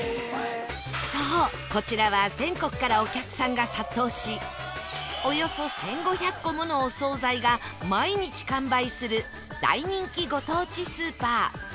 そうこちらは全国からお客さんが殺到しおよそ１５００個ものお総菜が毎日完売する大人気ご当地スーパー